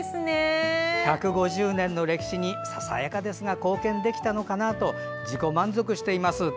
１５０年の歴史にささやかですが貢献できたのかなと自己満足しています。